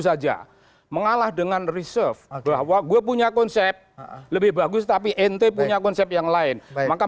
saja mengalah dengan reserve bahwa gue punya konsep lebih bagus tapi nt punya konsep yang lain maka